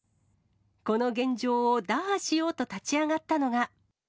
この現状を打破しようと立ち上がったのが。